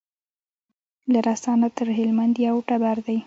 له رسا نه تر هلمند یو ټبر دی